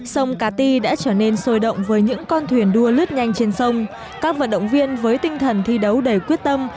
sông cà ti đã trở nên sôi động với những con thuyền đua lướt nhanh trên sông các vận động viên với tinh thần thi đấu đầy quyết tâm